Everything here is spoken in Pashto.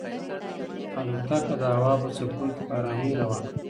الوتکه د هوا په څپو کې په ارامۍ روانه وه.